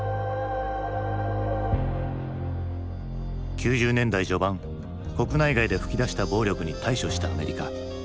９０年代序盤国内外で噴き出した暴力に対処したアメリカ。